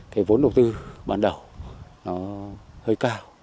cái vốn đầu tư ban đầu nó hơi cao